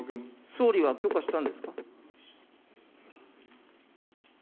総理は許可したんですか。